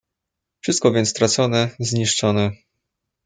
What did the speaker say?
"wszystko więc stracone, zniszczone!"